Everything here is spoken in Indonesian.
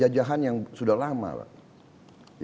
dan menurut saya andre